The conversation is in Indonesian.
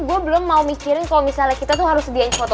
gue belum mau mikirin kalo misalnya kita tuh harus sediain phone nya